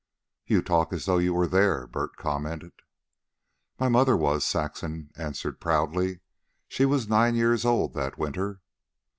"You talk as though you were there," Bert commented. "My mother was," Saxon answered proudly. "She was nine years old that winter."